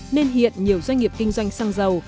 nên hiện nhiều doanh nghiệp kinh doanh xăng dầu